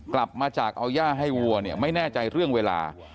กลับมาจากเอาย่าให้วัวเนี่ยไม่แน่ใจเรื่องเวลา